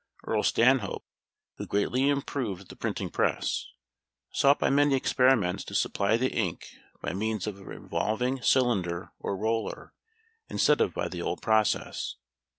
Earl Stanhope, who greatly improved the printing press, sought by many experiments to supply the ink by means of a revolving cylinder or roller, instead of by the old process.